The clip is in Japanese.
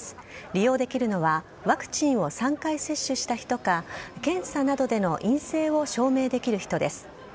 利用できるのはワクチンを３回接種した人か検査などでの陰性を証明できる人です。